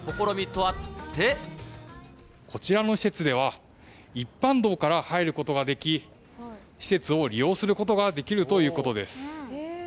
こちらの施設では、一般道から入ることができ、施設を利用することができるということです。